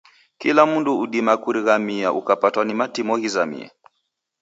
Kila mundu udima kurumaghia ukapatwa ni matimo ghizamie